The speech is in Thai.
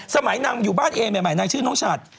สมัยนางอยู่บ้านเอใหม่นางชื่อน้องฉัด